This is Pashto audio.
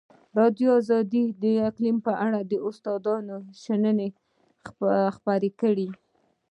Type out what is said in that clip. ازادي راډیو د اقلیم په اړه د استادانو شننې خپرې کړي.